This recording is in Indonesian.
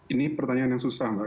ini pertanyaan yang susah mbak